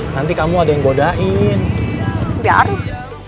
nanti kamu ada yang bodain biarin